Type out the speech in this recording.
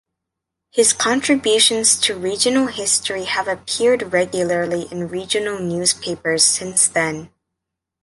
His contributions to regional history have appeared regularly in regional newspapers since then.